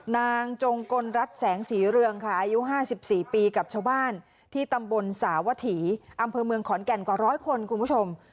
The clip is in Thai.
จงกลรัฐแสงสีเรืองค่ะอายุ๕๔ปีกับชาวบ้านที่ตำบลสาวถีอำเภอเมืองขอนแก่นกว่าร้อยคนคุณผู้ชม